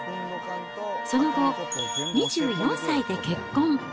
その後、２４歳で結婚。